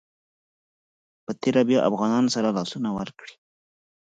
په تېره بیا افغانانو سره لاسونه ورکړي.